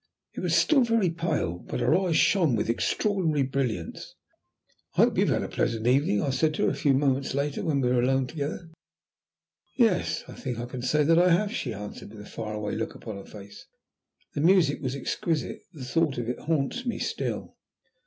It was still very pale, but her eyes shone with extraordinary brilliance. "I hope you have had a pleasant evening," I said to her a few moments later, when we were alone together. "Yes, I think I can say that I have," she answered, with a far away look upon her face. "The music was exquisite. The thought of it haunts me still."